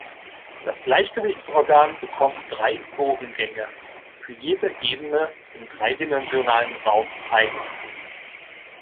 Das Gleichgewichtsorgan bekommt drei Bogengänge, für jede Ebene im dreidimensionalen Raum eine.